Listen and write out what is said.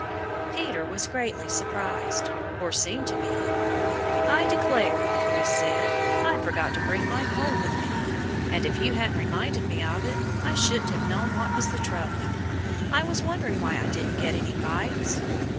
Peter was greatly surprised or seemed to be. "I declare!" he said. "I forgot to bring my pole with me. And if you hadn't reminded me of it I shouldn't have known what was the trouble. I was wondering why I didn't get any bites."